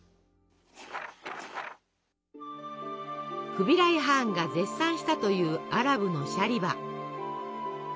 フビライ・ハーンが絶賛したというアラブのシャリバ。